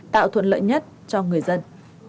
tạo thuận lợi nhất cho người dân